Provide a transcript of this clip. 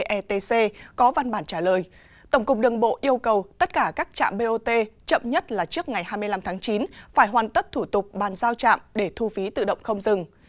etc có văn bản trả lời tổng cục đường bộ yêu cầu tất cả các trạm bot chậm nhất là trước ngày hai mươi năm tháng chín phải hoàn tất thủ tục bàn giao trạm để thu phí tự động không dừng